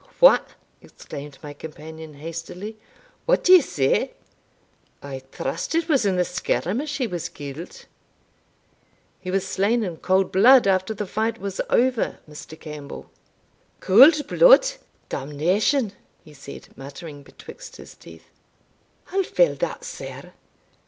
What?" exclaimed my companion hastily; "what d'ye say? I trust it was in the skirmish he was killed?" "He was slain in cold blood after the fight was over, Mr. Campbell." "Cold blood? Damnation!" he said, muttering betwixt his teeth "How fell that, sir?